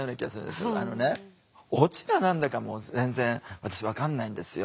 あのねオチが何だかも全然私分かんないんですよ